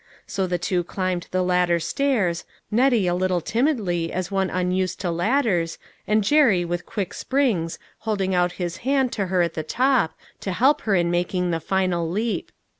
So the two climbed the ladder stairs, Nettie a little timidly as one unused to ladders, and Jerry with quick springs, holding out his hand to her at the top, to help her in making the final leap.